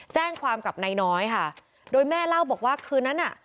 แจ้งความกับนายน้อยค่ะโดยแม่เล่าบอกว่าคืนนั้นน่ะ